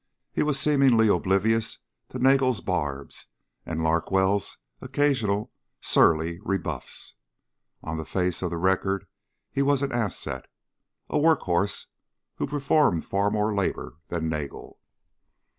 He was seemingly oblivious to Nagel's barbs and Larkwell's occasional surly rebuffs. On the face of the record he was an asset a work horse who performed far more labor than Nagel.